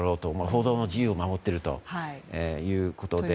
報道の自由を守っているということで。